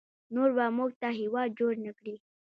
نور به موږ ته هیواد جوړ نکړي